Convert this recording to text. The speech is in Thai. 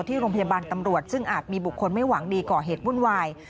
ที่โรงพยาบาลตำรวจซึ่งอาจมีบุคคลไม่หวังดีก่อเหตุวุ่นวาย